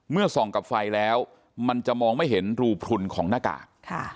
ส่องกับไฟแล้วมันจะมองไม่เห็นรูพลุนของหน้ากาก